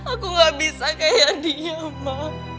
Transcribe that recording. aku gak bisa kayak dia ma